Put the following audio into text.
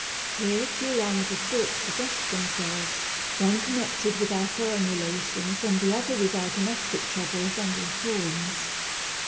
Here two lines of thought suggest themselves, one connected with .our foreign relations and the other with our domestic troubles and reforms.